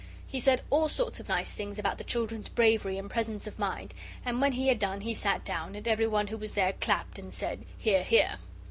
He said all sorts of nice things about the children's bravery and presence of mind, and when he had done he sat down, and everyone who was there clapped and said, "Hear, hear."